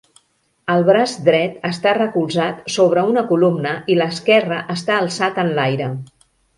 El braç dret està recolzat sobre una columna i l'esquerre està alçat enlaire.